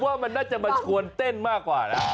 ว่ามันน่าจะมาชวนเต้นมากกว่านะ